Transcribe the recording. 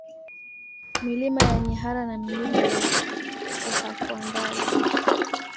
Milima ya Nyihara na Mlima wa Ohakwandali